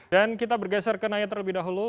dan kita bergeser ke naya terlebih dahulu